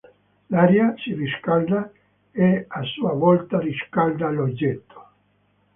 L'aria si riscalda e a sua volta riscalda l'oggetto.